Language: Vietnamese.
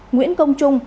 nguyễn công trung